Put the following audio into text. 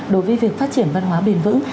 đối với việc phát triển văn hóa bền vững